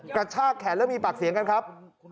กระชากแขนแล้วมีปากเสียงกันครับ